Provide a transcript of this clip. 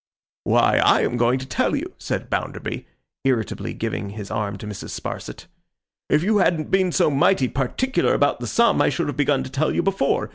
'Why, I am going to tell you,' said Bounderby, irritably giving his arm to Mrs. Sparsit. 'If you hadn't been so mighty particular about the sum, I should have begun to tell you before.